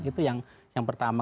itu yang pertama